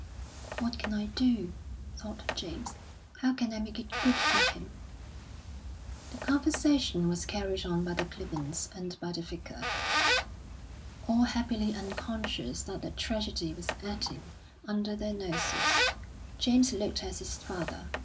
"What can I do?" thought James. "How can I make it good for him?" The conversation was carried on by the Clibborns and by the Vicar, all happily unconscious that a tragedy was acting under their noses. James looked at his father.